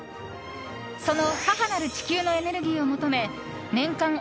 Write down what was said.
その母なる地球のエネルギーを求め年間